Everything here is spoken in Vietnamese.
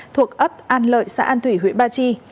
thuộc ấp an lợi xã an thủy huyện ba chi